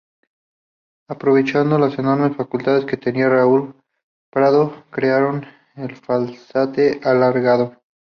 Aprovechando las enormes facultades que tenía Raúl Prado, crearon el Falsete alargado.